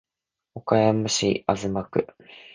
岡山市東区